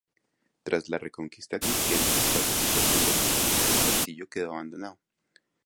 Tras la reconquista cristiana y pacificación de la zona el castillo quedó abandonado.